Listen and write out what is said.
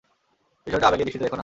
বিষয়টা আবেগী দৃষ্টিতে দেখো না।